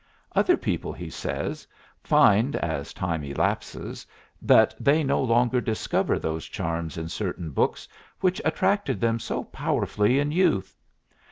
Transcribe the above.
Other people, he says, find, as time elapses, that they no longer discover those charms in certain books which attracted them so powerfully in youth.